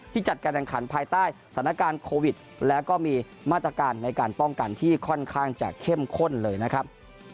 จัดการแข่งขันภายใต้สถานการณ์โควิดแล้วก็มีมาตรการในการป้องกันที่ค่อนข้างจะเข้มข้นเลยนะครับ